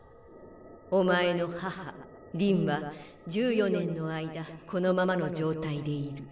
おまえの母りんは１４年の間このままの状態でいる。